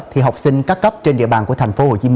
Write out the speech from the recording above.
thì học sinh các cấp trên địa bàn của tp hcm